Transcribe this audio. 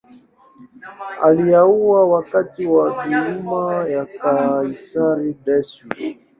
Aliuawa wakati wa dhuluma ya kaisari Decius.